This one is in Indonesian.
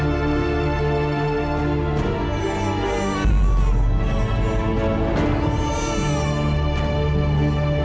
saya akan menangkan dia